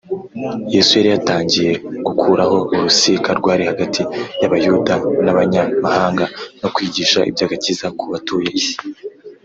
Yesu yari yatangiye gukuraho urusika rwari hagati y’Abayuda n’Abanyamahanga, no kwigisha iby’agakiza ku batuye isi